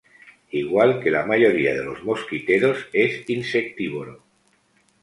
Igual que la mayoría de los mosquiteros es insectívoro.